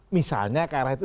misalnya kaya rakyat itu